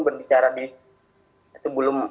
berbicara di sebelum